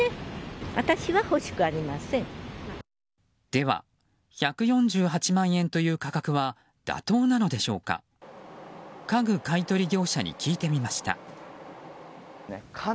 では、１４８万円という価格は妥当なのでしょうか。